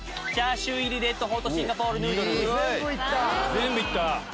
全部行った！